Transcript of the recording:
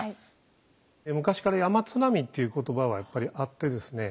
昔から山津波っていう言葉はやっぱりあってですね。